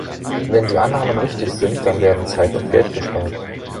Wenn die Annahmen richtig sind, dann werden Zeit und Geld gespart.